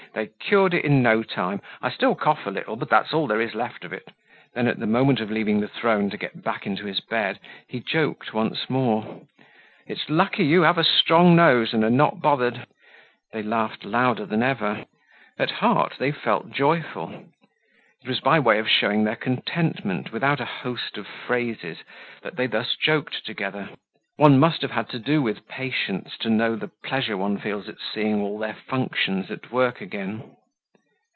"They cured it in no time. I still cough a little, but that's all that is left of it." Then at the moment of leaving the throne to get back into his bed, he joked once more. "It's lucky you have a strong nose and are not bothered." They laughed louder than ever. At heart they felt joyful. It was by way of showing their contentment without a host of phrases that they thus joked together. One must have had to do with patients to know the pleasure one feels at seeing all their functions at work again.